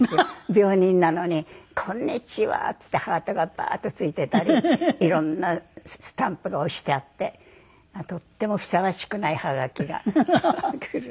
病人なのに「こんにちは！」っていってハートがバーッとついていたり色んなスタンプが押してあってとってもふさわしくないハガキが来るの。